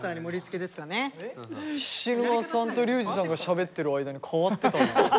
菱沼さんとリュウジさんがしゃべってる間に代わってたな。